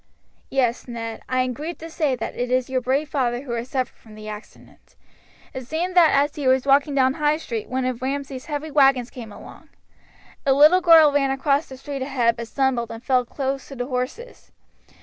"Yes, Ned, I am grieved to say that it is your brave father who has suffered from the accident. It seems that as he was walking down the High Street one of Ramsay's heavy wagons came along. A little girl ran across the street ahead, but stumbled and fell close to the horses.